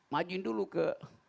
majuin dulu ke